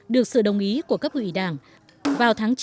được sự đồng ý của các quỹ đảng